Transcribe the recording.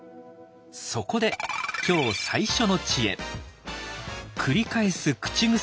そこで今日最初の知恵。